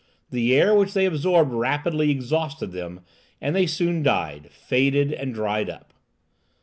The air which they absorbed rapidly exhausted them, and they soon died, faded, and dried up.